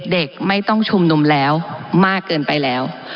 เด็กไม่ต้องชุมนุมแล้วมากเกินไปแล้ว